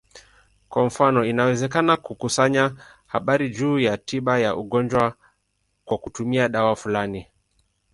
Kwa mfano, inawezekana kukusanya habari juu ya tiba ya ugonjwa kwa kutumia dawa fulani.